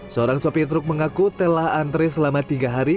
seorang sopi truk mengaku telah antre selama tiga hari